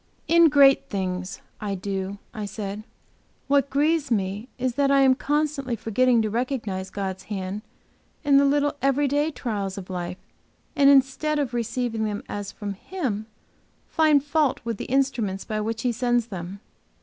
"In great things I do," I said. "What grieves me is that I am constantly forgetting to recognize God's hand in the little every day trials of life, and instead of receiving them as from Him, find fault with the instruments by which He sends them.